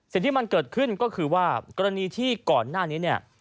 สิ่งที่มันเกิดขึ้นก็คือว่ากรณีที่ก่อนหน้านี้เนี่ย